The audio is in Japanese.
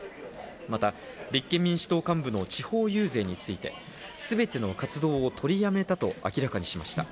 また立憲民主党幹部の地方遊説について、すべての活動を取りやめたと明らかにしました。